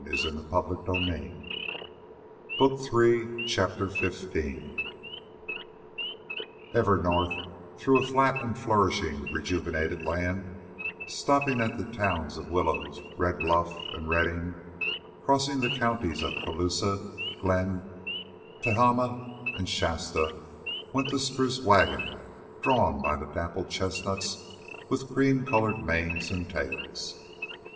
'Tis them that looks that finds.'" CHAPTER XV Ever north, through a fat and flourishing rejuvenated land, stopping at the towns of Willows, Red Bluff and Redding, crossing the counties of Colusa, Glenn, Tehama, and Shasta, went the spruce wagon drawn by the dappled chestnuts with cream colored manes and tails.